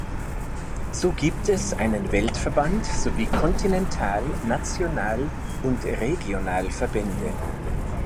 So gibt es einen Weltverband sowie Kontinental-, National- und Regionalverbände.